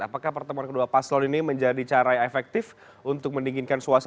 apakah pertemuan kedua paslon ini menjadi cara yang efektif untuk mendinginkan suasana